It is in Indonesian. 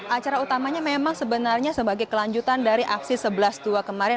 acara utamanya memang sebenarnya sebagai kelanjutan dari aksi sebelas dua kemarin